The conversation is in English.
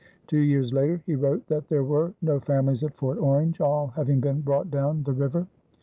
Two years later he wrote that there were no families at Fort Orange, all having been brought down the river.